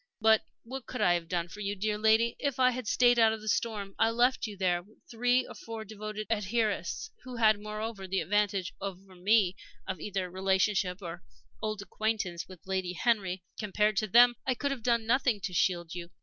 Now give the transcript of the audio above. "But what could I have done for you, dear lady, if I had stayed out the storm? I left you with three or four devoted adherents, who had, moreover, the advantage over me of either relationship or old acquaintance with Lady Henry. Compared to them, I could have done nothing to shield you.